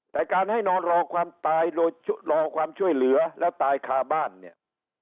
แต่การให้นอนรอความตายรอความช่วยเหลือแล้วตายคาบ้านเนี่ย